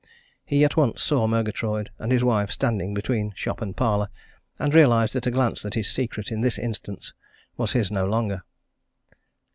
He at once saw Murgatroyd and his wife standing between shop and parlour, and realized at a glance that his secret in this instance was his no longer.